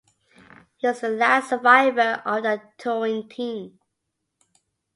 He was the last survivor of that touring team.